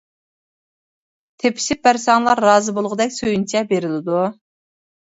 تېپىشىپ بەرسەڭلار رازى بولغۇدەك سۆيۈنچە بېرىلىدۇ.